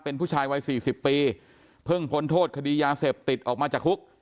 เป็นผู้ชายวัยสี่สิบปีเพิ่งพ้นโทษคดียาเสพติดออกมาจากคุก